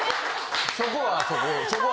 そこはそこ。